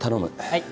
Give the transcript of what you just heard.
はい。